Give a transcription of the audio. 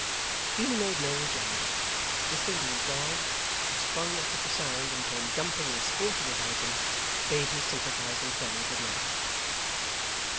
Hugh made no rejoinder, but whistling to his dog, who sprung up at the sound and came jumping and sporting about him, bade his sympathising friend good night.